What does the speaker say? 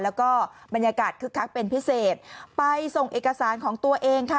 แล้วก็บรรยากาศคึกคักเป็นพิเศษไปส่งเอกสารของตัวเองค่ะ